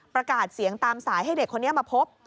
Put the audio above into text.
ประกาศเสียงตามสายให้เด็กคนนี้มาพบ